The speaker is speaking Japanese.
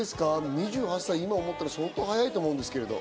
２８って相当早いと思うんですけど。